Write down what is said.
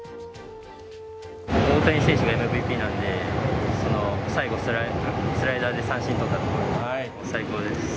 大谷選手がＭＶＰなので、その、最後スライダーで三振取ったところ、最高です。